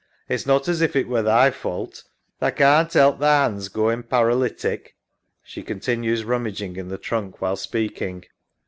It's not as if it were thy fault. Tha can't 'elp tha 'ands going paralytic. [She continues rummaging in the trunk while speaking.